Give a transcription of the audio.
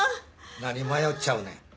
何迷っちゃうねん。